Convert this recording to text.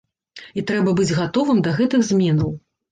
І трэба быць гатовым да гэтых зменаў.